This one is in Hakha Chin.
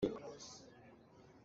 Nichuahka ah inn kan phan.